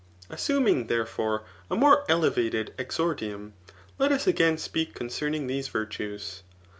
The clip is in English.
Assuming, therefore, a more elevated exordium, let us again speak concerning these virtues.